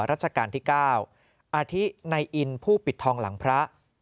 ราชการที่๙อาทิในอินผู้ปิดทองหลังพระ